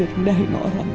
bayangin dia masuk kau reese